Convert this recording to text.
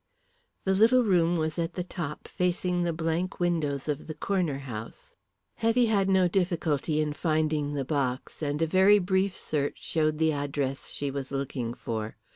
The little room was at the top facing the blank windows of the Corner House. Hetty had no difficulty in finding the box, and a very brief search showed the address she was looking for.